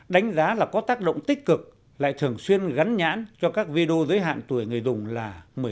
đánh giá là có tác động tích cực lại thường xuyên gắn nhãn cho các video giới hạn tuổi người dùng là một mươi sáu